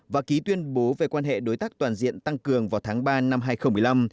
và ký tuyên bố về quan hệ đối tác toàn diện tăng cường vào tháng ba năm hai nghìn một mươi năm